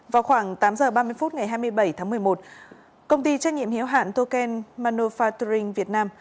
vào khoảng tám h ba mươi phút ngày hai mươi bảy tháng một mươi một công ty trách nhiệm hiếu hạn token manufacturing việt nam